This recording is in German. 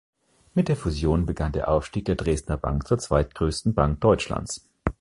Mit der Fusion begann der Aufstieg der Dresdner Bank zur zweitgrößten Bank Deutschlands.